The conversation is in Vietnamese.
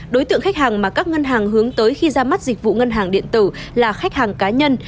đối tượng khách hàng mà các ngân hàng hướng tới khi ra mắt dịch vụ ngân hàng điện tử là khách hàng cá nhân